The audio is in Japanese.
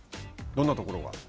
どんなところが？